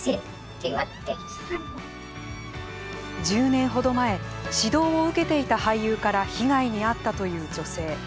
１０年ほど前指導を受けていた俳優から被害に遭ったという女性。